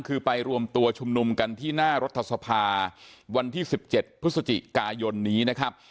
คือไปรวมตัวชุมนุมกันที่หน้ารัฐสภาวันที่๑๗พฤศจิกายนนี้นะครับ